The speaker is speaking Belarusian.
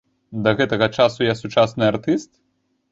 Да гэтага часу я сучасны артыст?